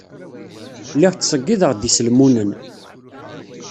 Lliɣ ttṣeyyideɣ-d iselmunen.